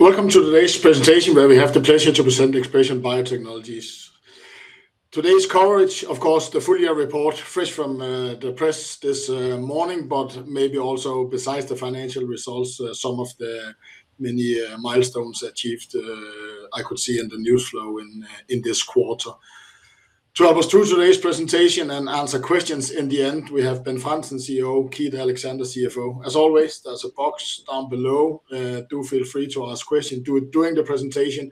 Welcome to today's presentation, where we have the pleasure to present ExpreS2ion Biotechnologies. Today's coverage, of course, the full year report, fresh from the press this morning, but maybe also besides the financial results, some of the many milestones achieved, I could see in the news flow in this quarter. To help us through today's presentation and answer questions in the end, we have Bent Frandsen, CEO, Keith Alexander, CFO. As always, there's a box down below. Do feel free to ask questions during the presentation.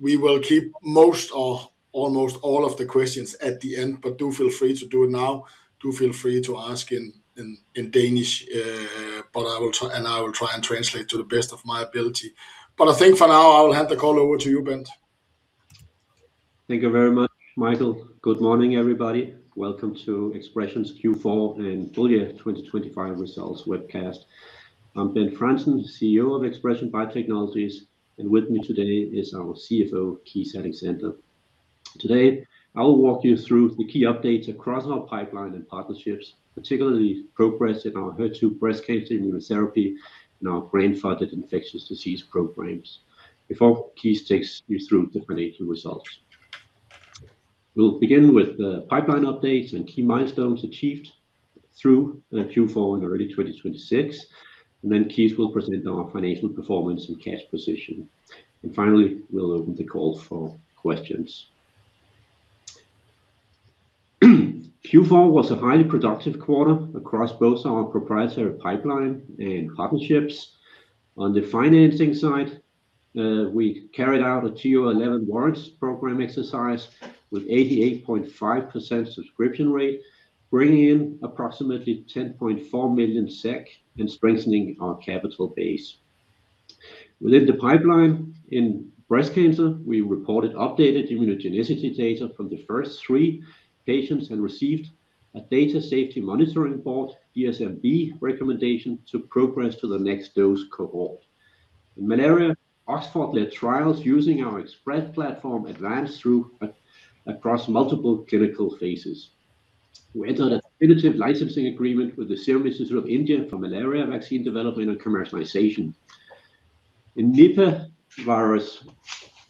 We will keep most or almost all of the questions at the end, but do feel free to do it now. Do feel free to ask in Danish, but I will try and I will try and translate to the best of my ability. I think for now, I will hand the call over to you, Bent. Thank you very much, Michael. Good morning, everybody. Welcome to ExpreS2ion's Q4 and full year 2025 results webcast. I'm Bent Frandsen, CEO of ExpreS2ion Biotechnologies, and with me today is our CFO, Keith Alexander. Today, I will walk you through the key updates across our pipeline and partnerships, particularly progress in our HER2 breast cancer immunotherapy and our grandfathered infectious disease programs. Before Keith takes you through the financial results, we'll begin with the pipeline updates and key milestones achieved through the Q4 and early 2026, and then Keith will present our financial performance and cash position. Finally, we'll open the call for questions. Q4 was a highly productive quarter across both our proprietary pipeline and partnerships. On the financing side, we carried out a TO11 warrants program exercise with 88.5% subscription rate, bringing in approximately 10.4 million SEK and strengthening our capital base. Within the pipeline in breast cancer, we reported updated immunogenicity data from the first three patients and received a Data Safety Monitoring Board, DSMB, recommendation to progress to the next dose cohort. In malaria, Oxford-led trials using our ExpreS2™ platform advanced through a- across multiple clinical phases. We entered a definitive licensing agreement with the Serum Institute of India for malaria vaccine development and commercialization. In Nipah virus,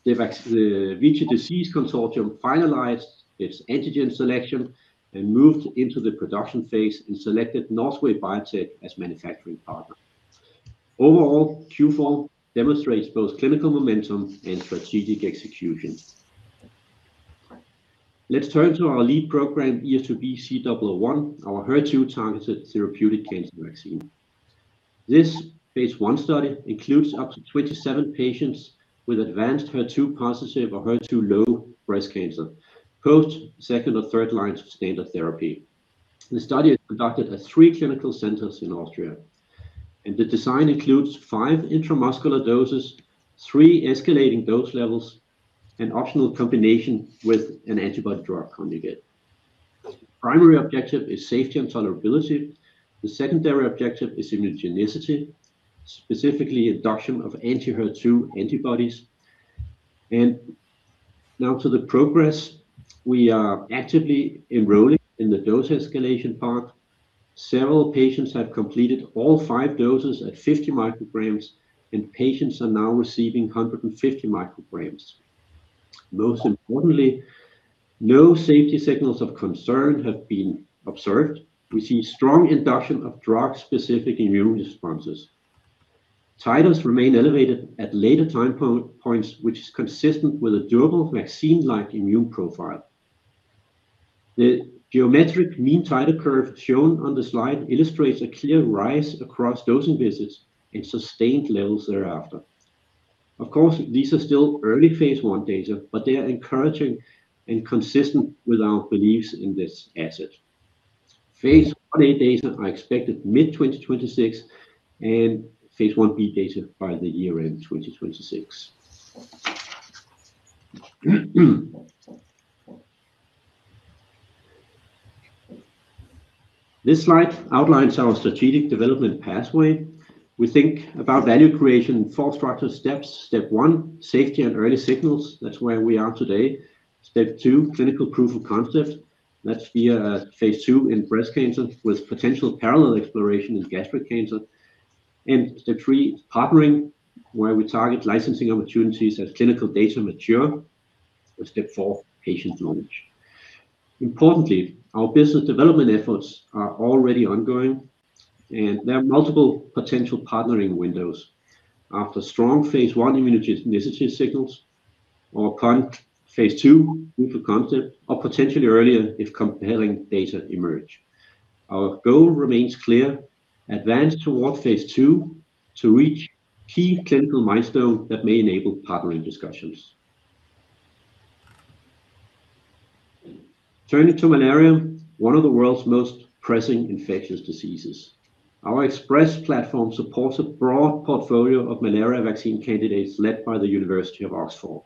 the vac- the VICI Disease Consortium finalized its antigen selection and moved into the production phase and selected Northway Biotech as manufacturing partner. Overall, Q4 demonstrates both clinical momentum and strategic execution. Let's turn to our lead program, ES2B-C001, our HER2-targeted therapeutic cancer vaccine. This phase I study includes up to 27 patients with advanced HER2 positive or HER2-low breast cancer, post second or third line standard therapy. The study is conducted at three clinical centers in Austria, and the design includes five intramuscular doses, three escalating dose levels, and optional combination with an antibody drug conjugate. Primary objective is safety and tolerability. The secondary objective is immunogenicity, specifically induction of anti-HER2 antibodies. Now to the progress, we are actively enrolling in the dose escalation part. Several patients have completed all five doses at 50 micrograms, and patients are now receiving 150 micrograms. Most importantly, no safety signals of concern have been observed. We see strong induction of drug-specific immune responses. Titers remain elevated at later time points, which is consistent with a durable, vaccine-like immune profile. The geometric mean titer curve shown on the slide illustrates a clear rise across dosing visits and sustained levels thereafter. Of course, these are still early phase I data, but they are encouraging and consistent with our beliefs in this asset. Phase I-A data are expected mid-2026, and phase I-B data by the year-end 2026. This slide outlines our strategic development pathway. We think about value creation in four structured steps. Step one, safety and early signals. That's where we are today. Step two, clinical proof of concept. That's via Phase II in breast cancer, with potential parallel exploration in gastric cancer. And step three, partnering, where we target licensing opportunities as clinical data mature. And step four, patient launch. Importantly, our business development efforts are already ongoing, and there are multiple potential partnering windows. After strong phase I immunogenicity signals or current phase II proof of concept, or potentially earlier, if compelling data emerge. Our goal remains clear: advance towards phase II to reach key clinical milestone that may enable partnering discussions. Turning to malaria, one of the world's most pressing infectious diseases. Our ExpreS2 platform supports a broad portfolio of malaria vaccine candidates, led by the University of Oxford.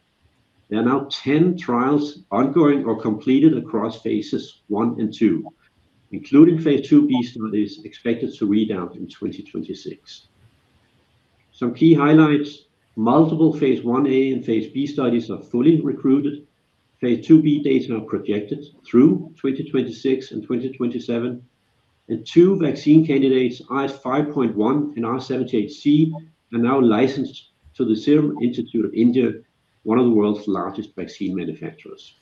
There are now 10 trials ongoing or completed across phases I and II, including phase II-B studies expected to read out in 2026. Some key highlights, multiple phase I-A and phase I-B studies are fully recruited. Phase II-B data are projected through 2026 and 2027, and two vaccine candidates, RH5.1 and R78C, are now licensed to the Serum Institute of India, one of the world's largest vaccine manufacturers.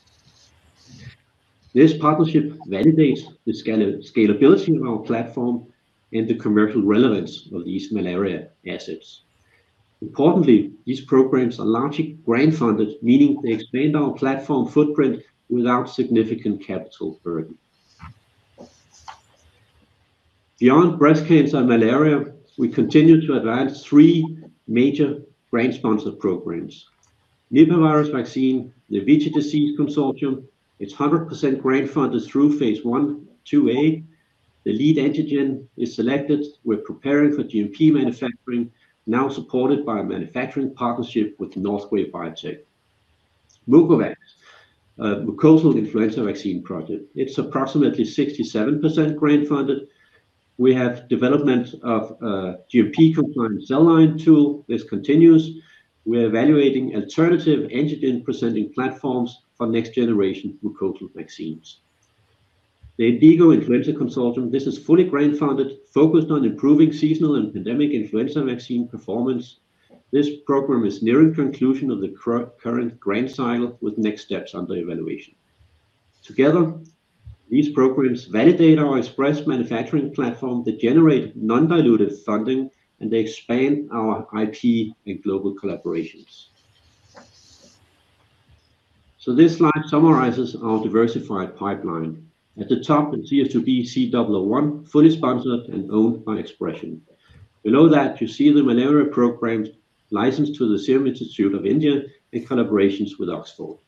This partnership validates the scalability of our platform and the commercial relevance of these malaria assets. Importantly, these programs are largely grant-funded, meaning they expand our platform footprint without significant capital burden. Beyond breast cancer and malaria, we continue to advance three major grant-sponsored programs. Nipah virus vaccine, the VICI consortium, it's 100% grant-funded through phase I/II-A. The lead antigen is selected. We're preparing for GMP manufacturing, now supported by a manufacturing partnership with Northway Biotech. MukoVac, mucosal influenza vaccine project. It's approximately 67% grant-funded. We have development of GMP-compliant cell line tool. This continues. We're evaluating alternative antigen-presenting platforms for next generation mucosal vaccines. The Indigo Influenza Consortium, this is fully grant-funded, focused on improving seasonal and pandemic influenza vaccine performance. This program is nearing conclusion of the current grant cycle, with next steps under evaluation. Together, these programs validate our ExpreS2 manufacturing platform, they generate non-diluted funding, and they expand our IP and global collaborations. So this slide summarizes our diversified pipeline. At the top is ES2B-C001, fully sponsored and owned by ExpreS2ion. Below that, you see the malaria programs licensed to the Serum Institute of India and collaborations with Oxford.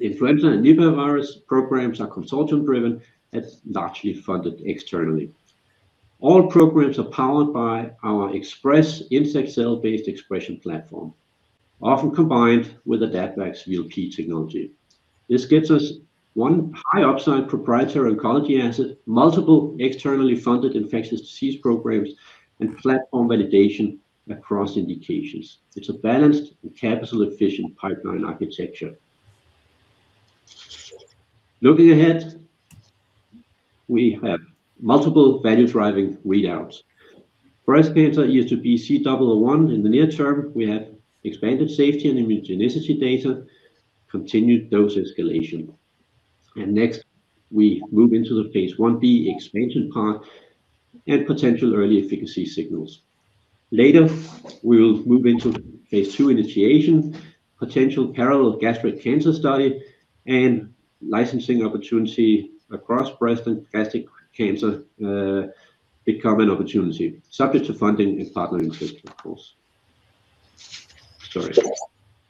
Influenza and Nipah virus programs are consortium-driven and largely funded externally. All programs are powered by our ExpreS2 insect cell-based expression platform, often combined with AdaptVac VLP technology. This gets us one high upside proprietary oncology asset, multiple externally funded infectious disease programs, and platform validation across indications. It's a balanced and capital-efficient pipeline architecture. Looking ahead, we have multiple value-driving readouts. For breast cancer, ES2B-C001 in the near term, we have expanded safety and immunogenicity data, continued dose escalation. Next, we move into the phase I-B expansion part and potential early efficacy signals. Later, we will move into Phase II initiation, potential parallel gastric cancer study, and licensing opportunity across breast and gastric cancer, becoming opportunity, subject to funding and partnering success, of course.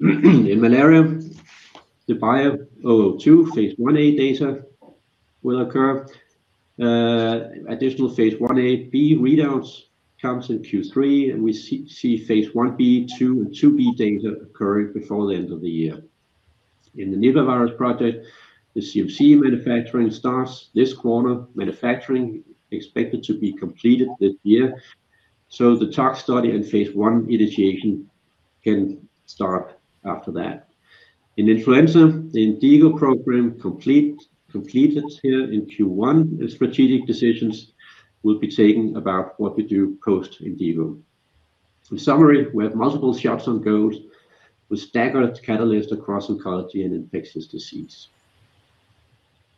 In malaria, the Bio002 phase I-A data will occur. Additional phase I-A/B readouts comes in Q3, and we see phase I-B, II, and II-B data occurring before the end of the year. In the Nipah virus project, the CMC manufacturing starts this quarter. Manufacturing expected to be completed this year, so the Tox study and phase I initiation can start after that. In influenza, the Indigo program completed here in Q1, as strategic decisions will be taken about what we do post-Indigo. In summary, we have multiple shots on goal with staggered catalyst across oncology and infectious disease.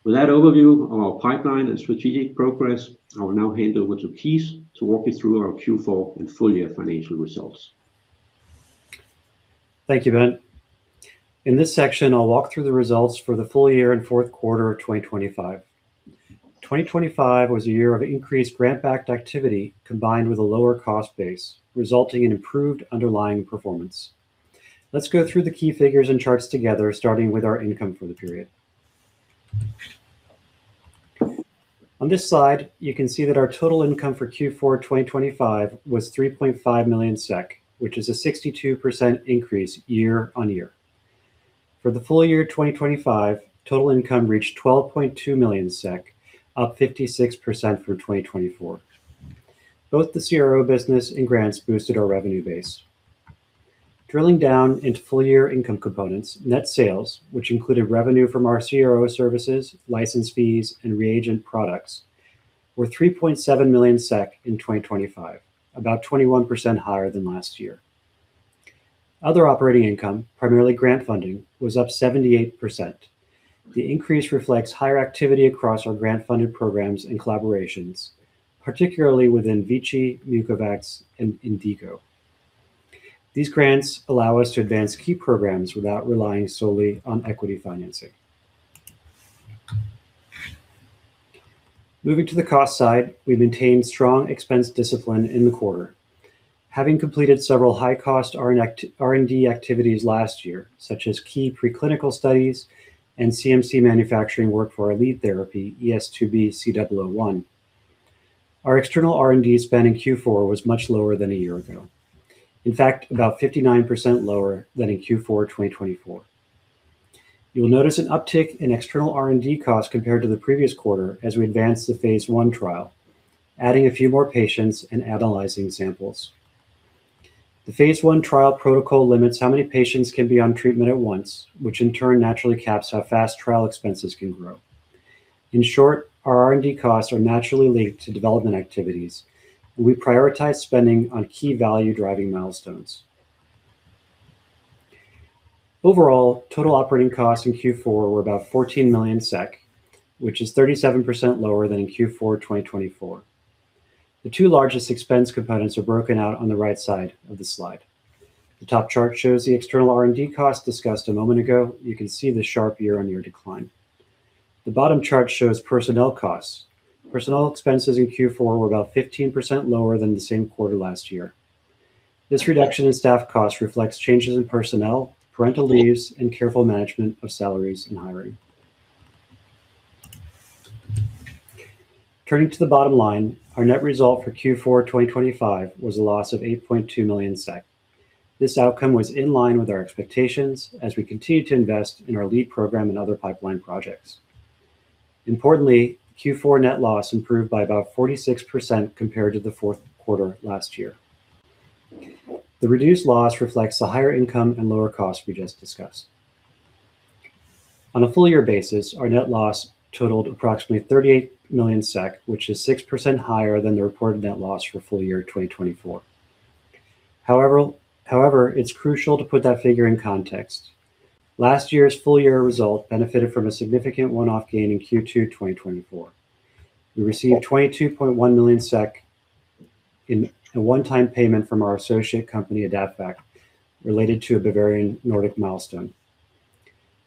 With that overview of our pipeline and strategic progress, I will now hand over to Keith to walk you through our Q4 and full-year financial results. Thank you, Bent. In this section, I'll walk through the results for the full year and fourth quarter of 2025. 2025 was a year of increased grant-backed activity, combined with a lower cost base, resulting in improved underlying performance. Let's go through the key figures and charts together, starting with our income for the period. On this slide, you can see that our total income for Q4 2025 was 3.5 million SEK, which is a 62% increase year-on-year. For the full year 2025, total income reached 12.2 million SEK, up 56% from 2024. Both the CRO business and grants boosted our revenue base. Drilling down into full-year income components, net sales, which included revenue from our CRO services, license fees, and reagent products, were 3.7 million SEK in 2025, about 21% higher than last year. Other operating income, primarily grant funding, was up 78%. The increase reflects higher activity across our grant-funded programs and collaborations, particularly within Vici, Mucovax, and Indigo. These grants allow us to advance key programs without relying solely on equity financing. Moving to the cost side, we've maintained strong expense discipline in the quarter. Having completed several high-cost R&D activities last year, such as key preclinical studies and CMC manufacturing work for our lead therapy, ES2B-C001, our external R&D spend in Q4 was much lower than a year ago. In fact, about 59% lower than in Q4 2024. You will notice an uptick in external R&D costs compared to the previous quarter as we advanced the phase I trial, adding a few more patients and analyzing samples. The phase I trial protocol limits how many patients can be on treatment at once, which in turn naturally caps how fast trial expenses can grow. In short, our R&D costs are naturally linked to development activities, and we prioritize spending on key value-driving milestones. Overall, total operating costs in Q4 were about 14 million SEK, which is 37% lower than in Q4 2024. The two largest expense components are broken out on the right side of the slide. The top chart shows the external R&D costs discussed a moment ago. You can see the sharp year-on-year decline. The bottom chart shows personnel costs. Personnel expenses in Q4 were about 15% lower than the same quarter last year. This reduction in staff costs reflects changes in personnel, parental leaves, and careful management of salaries and hiring. Turning to the bottom line, our net result for Q4 2025 was a loss of 8.2 million SEK. This outcome was in line with our expectations as we continue to invest in our lead program and other pipeline projects. Importantly, Q4 net loss improved by about 46% compared to the fourth quarter last year. The reduced loss reflects the higher income and lower costs we just discussed. On a full year basis, our net loss totaled approximately 38 million SEK, which is 6% higher than the reported net loss for full year 2024. However, it's crucial to put that figure in context. Last year's full year result benefited from a significant one-off gain in Q2 2024. We received 22.1 million SEK in a one-time payment from our associate company, AdaptVac, related to a Bavarian Nordic milestone.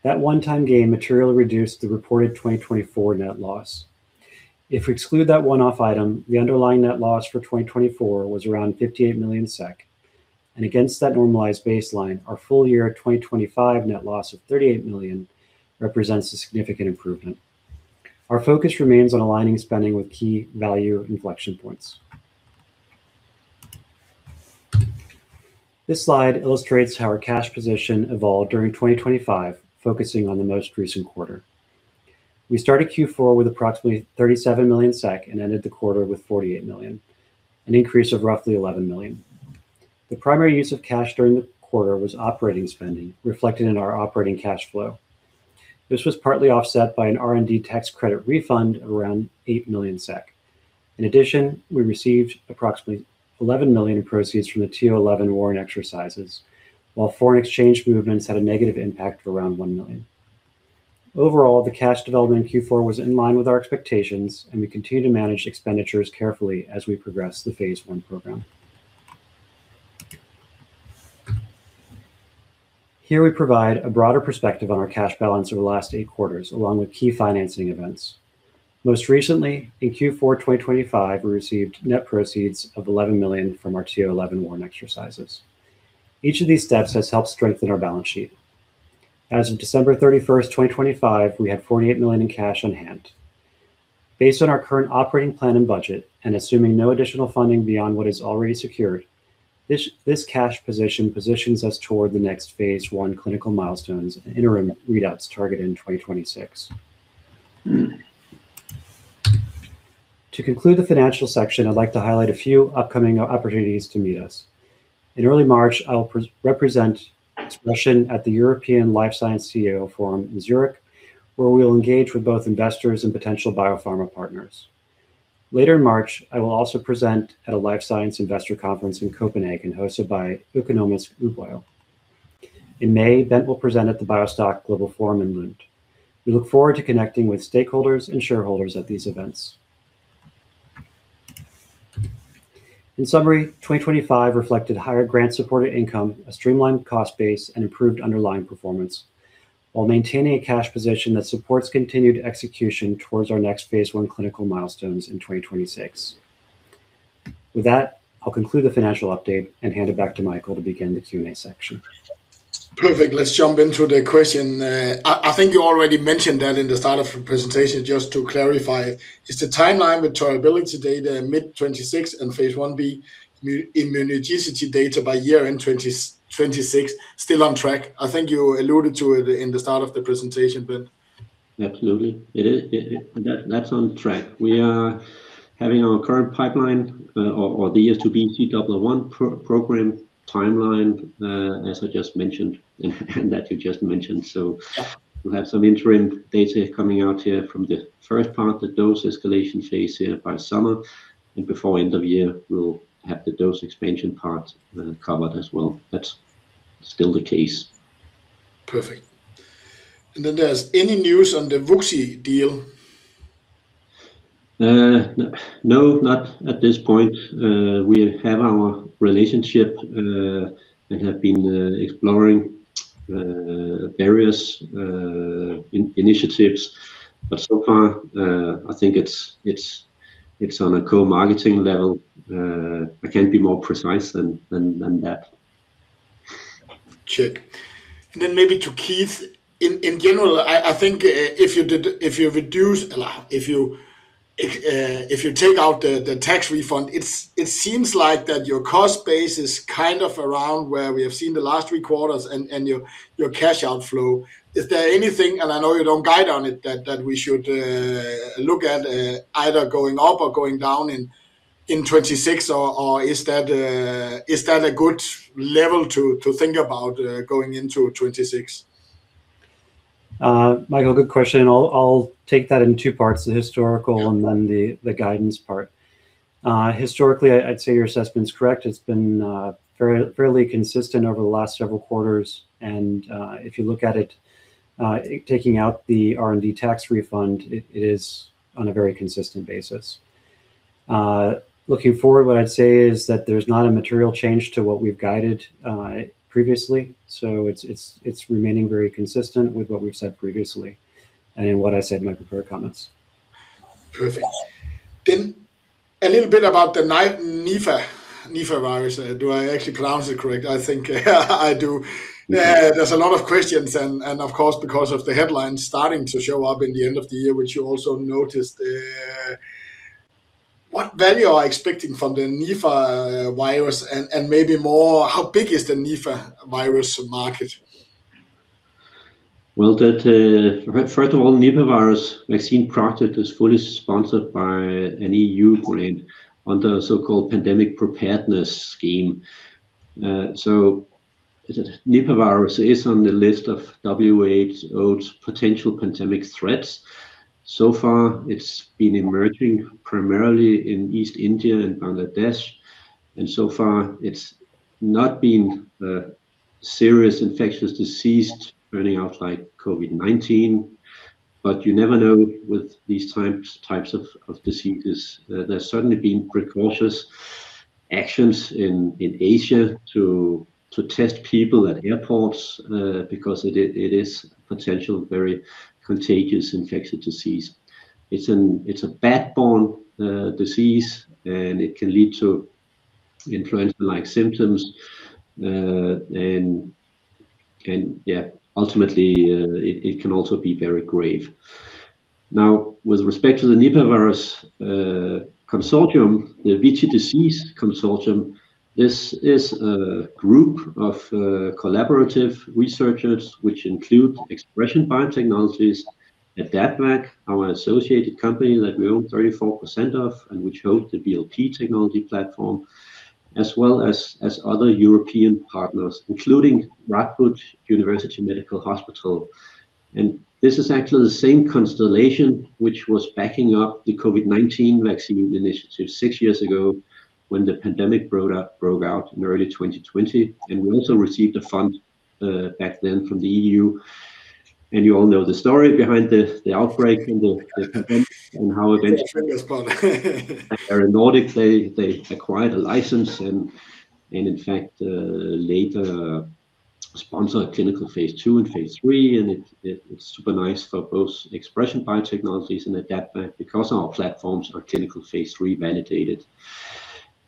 That one-time gain materially reduced the reported 2024 net loss. If we exclude that one-off item, the underlying net loss for 2024 was around 58 million SEK, and against that normalized baseline, our full year 2025 net loss of 38 million represents a significant improvement. Our focus remains on aligning spending with key value inflection points. This slide illustrates how our cash position evolved during 2025, focusing on the most recent quarter. We started Q4 with approximately 37 million SEK and ended the quarter with 48 million, an increase of roughly 11 million. The primary use of cash during the quarter was operating spending, reflected in our operating cash flow. This was partly offset by an R&D tax credit refund of around 8 million SEK. In addition, we received approximately 11 million in proceeds from the TO11 warrant exercises, while foreign exchange movements had a negative impact of around 1 million. Overall, the cash development in Q4 was in line with our expectations, and we continue to manage expenditures carefully as we progress the phase I program. Here we provide a broader perspective on our cash balance over the last eight quarters, along with key financing events. Most recently, in Q4 2025, we received net proceeds of 11 million from our TO11 warrant exercises. Each of these steps has helped strengthen our balance sheet. As of December 31, 2025, we had 48 million in cash on hand. Based on our current operating plan and budget, and assuming no additional funding beyond what is already secured, this cash position positions us toward the next phase I clinical milestones and interim readouts targeted in 2026. To conclude the financial section, I'd like to highlight a few upcoming opportunities to meet us. In early March, I will represent ExpreS2ion at the European Life Science CEO Forum in Zurich, where we will engage with both investors and potential biopharma partners. Later in March, I will also present at a life science investor conference in Copenhagen, hosted by Økonomisk Ugebrev. In May, Bent will present at the BioStock Global Forum in Lund. We look forward to connecting with stakeholders and shareholders at these events. In summary, 2025 reflected higher grant-supported income, a streamlined cost base, and improved underlying performance, while maintaining a cash position that supports continued execution towards our next phase I clinical milestones in 2026. With that, I'll conclude the financial update and hand it back to Michael to begin the Q&A section. Perfect. Let's jump into the question. I think you already mentioned that in the start of the presentation. Just to clarify, is the timeline with tolerability data in mid-2026 and Phase I-B immunogenicity data by year-end 2026 still on track? I think you alluded to it in the start of the presentation, but- Absolutely, it is. That's on track. We are having our current pipeline, or the ES2B-C001 program timeline, as I just mentioned, and that you just mentioned. So we'll have some interim data coming out from the first part, the dose escalation phase, by summer, and before end of year, we'll have the dose expansion part, covered as well. That's still the case. Perfect. And then there's any news on the WuXi deal? No, not at this point. We have our relationship and have been exploring various initiatives, but so far, I think it's on a co-marketing level. I can't be more precise than that. Check. And then maybe to Keith, in general, I think if you take out the tax refund, it seems like your cost base is kind of around where we have seen the last three quarters and your cash outflow. Is there anything, and I know you don't guide on it, that we should look at either going up or going down in 2026? Or is that a good level to think about going into 2026?... Michael, good question. I'll take that in two parts, the historical and then the guidance part. Historically, I'd say your assessment's correct. It's been very fairly consistent over the last several quarters, and if you look at it, taking out the R&D tax refund, it is on a very consistent basis. Looking forward, what I'd say is that there's not a material change to what we've guided previously, so it's remaining very consistent with what we've said previously and in what I said in my prepared comments. Perfect. Then a little bit about the Nipah virus. Do I actually pronounce it correct? I think I do. There's a lot of questions and, of course, because of the headlines starting to show up in the end of the year, which you also noticed, what value are you expecting from the Nipah virus? And maybe more, how big is the Nipah virus market? Well, first of all, Nipah virus vaccine project is fully sponsored by an EU grant on the so-called Pandemic Preparedness scheme. So the Nipah virus is on the list of WHO's potential pandemic threats. So far, it's been emerging primarily in East India and Bangladesh, and so far it's not been a serious infectious disease burning out like COVID-19, but you never know with these types of diseases. There's certainly been precautionary actions in Asia to test people at airports, because it is potentially very contagious infectious disease. It's a bat-borne disease, and it can lead to influenza-like symptoms. And yeah, ultimately, it can also be very grave. Now, with respect to the Nipah virus consortium, the VCD consortium, this is a group of collaborative researchers, which include ExpreS2ion Biotechnologies, AdaptVac, our associated company that we own 34% of and which host the VLP technology platform, as well as other European partners, including Radboud University Medical Center. This is actually the same constellation which was backing up the COVID-19 vaccine initiative six years ago when the pandemic broke out in early 2020, and we also received a fund back then from the EU. You all know the story behind the outbreak and the pandemic and how it eventually-... Bavarian Nordic, they acquired a license and, in fact, later sponsored a clinical phase II and phase three, and it, it's super nice for both ExpreS2ion Biotechnologies and AdaptVac because our platforms are clinical phase III validated.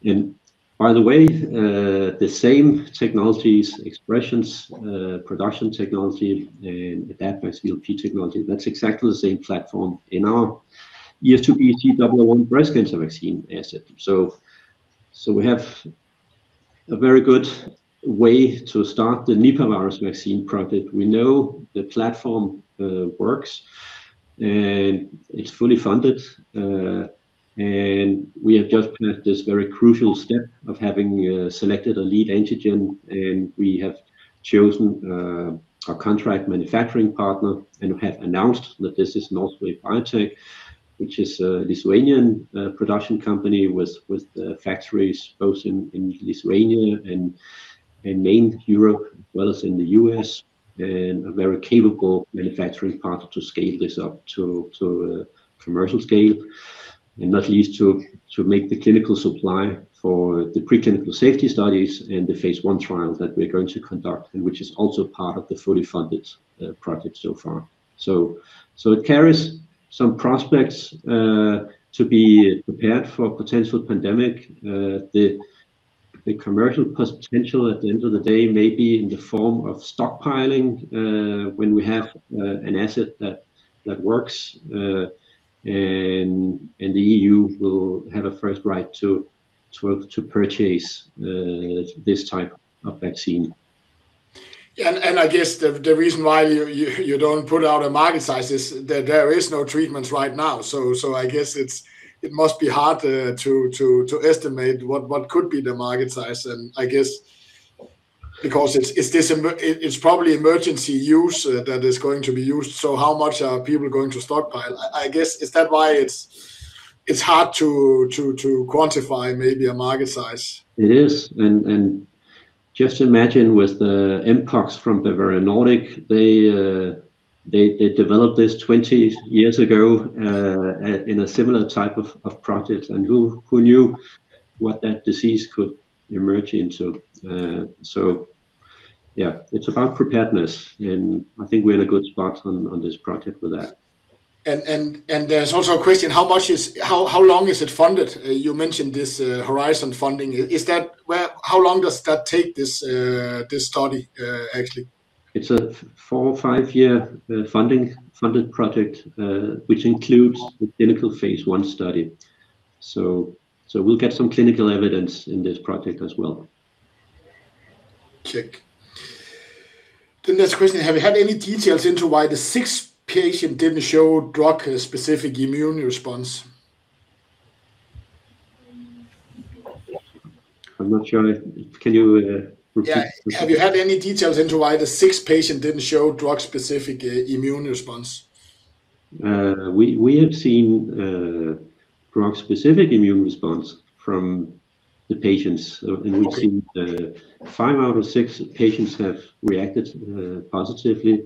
And by the way, the same technologies, ExpreS2ion's production technology and AdaptVac VLP technology, that's exactly the same platform in our ES2B-C001 breast cancer vaccine asset. So, we have a very good way to start the Nipah virus vaccine project. We know the platform works, and it's fully funded, and we have just been at this very crucial step of having selected a lead antigen, and we have chosen a contract manufacturing partner and have announced that this is Northway Biotech, which is a Lithuanian production company with factories both in Lithuania and main Europe, well, as in the U.S., and a very capable manufacturing partner to scale this up to commercial scale, and not least to make the clinical supply for the preclinical safety studies and the phase I trial that we're going to conduct, and which is also part of the fully funded project so far. So it carries some prospects to be prepared for a potential pandemic. The commercial potential at the end of the day may be in the form of stockpiling, when we have an asset that works, and the EU will have a first right to purchase this type of vaccine. Yeah, and I guess the reason why you don't put out a market size is that there is no treatment right now. So, I guess it's—it must be hard to estimate what could be the market size. And I guess because it's this em—it's probably emergency use that is going to be used, so how much are people going to stockpile? I guess, is that why it's hard to quantify maybe a market size? </transcript It is. And just imagine with the Mpox from Bavarian Nordic, they developed this 20 years ago in a similar type of project. And who knew what that disease could emerge into? So yeah, it's about preparedness, and I think we're in a good spot on this project with that. There's also a question: how much is... how long is it funded? You mentioned this Horizon funding. Is that where, how long does that take, this study, actually? It's a four- or five-year funded project, which includes the clinical phase I study. So, we'll get some clinical evidence in this project as well. Check. The next question, have you had any details into why the sixth patient didn't show drug-specific immune response?... I'm not sure. Can you repeat the question? Yeah, have you had any details into why the sixth patient didn't show drug-specific, immune response? We have seen drug-specific immune response from the patients. Okay. We've seen five out of six patients have reacted positively.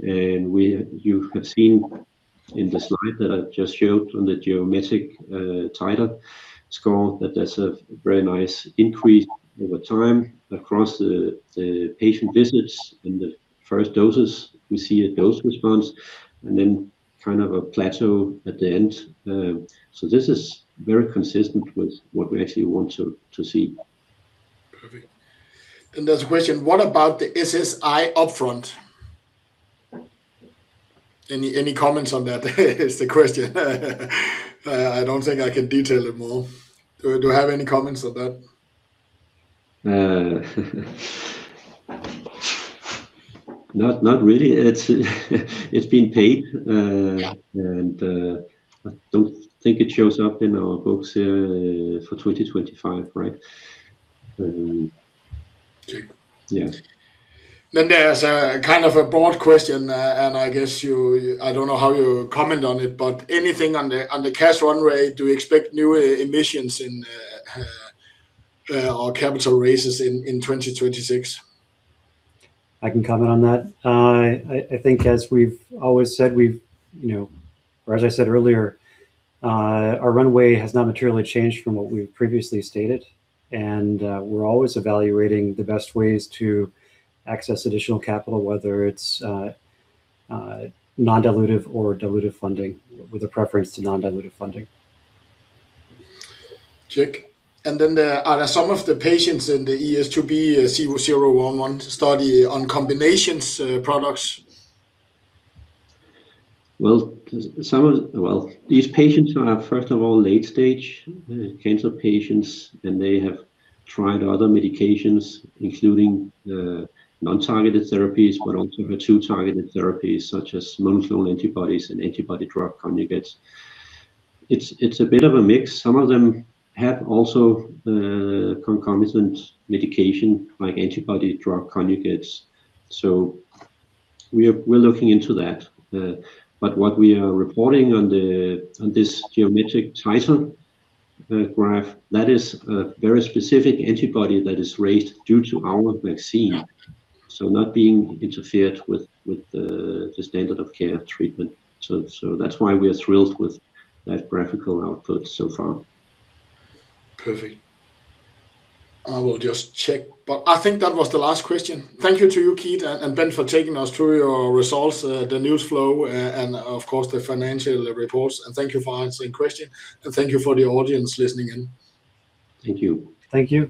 You have seen in the slide that I just showed on the geometric titer score, that there's a very nice increase over time across the patient visits. In the first doses, we see a dose response and then kind of a plateau at the end. So this is very consistent with what we actually want to see. Perfect. There's a question: "What about the SII upfront?" Any comments on that, is the question. I don't think I can detail it more. Do you have any comments on that? Not, not really. It's, it's been paid. Yeah. I don't think it shows up in our books for 2025, right? Okay. Yes. Then there's a kind of a broad question, and I guess you, I don't know how you comment on it, but anything on the cash run rate, do we expect new emissions in or capital raises in 2026? I can comment on that. I think as we've always said, we've, you know, or as I said earlier, our runway has not materially changed from what we've previously stated. We're always evaluating the best ways to access additional capital, whether it's non-dilutive or dilutive funding, with a preference to non-dilutive funding. Check. Then there are some of the patients in the ES2B-C001 study on combinations, products? Well, these patients are, first of all, late stage cancer patients, and they have tried other medications, including non-targeted therapies, but also the two targeted therapies such as monoclonal antibodies and antibody drug conjugates. It's a bit of a mix. Some of them have also concomitant medication, like antibody drug conjugates, so we're looking into that. But what we are reporting on this geometric titer graph, that is a very specific antibody that is raised due to our vaccine, so not being interfered with the standard of care treatment. So that's why we are thrilled with that graphical output so far. Perfect. I will just check, but I think that was the last question. Thank you to you, Keith and Bent, for taking us through your results, the news flow, and of course, the financial reports. And thank you for answering questions, and thank you for the audience listening in. Thank you. Thank you.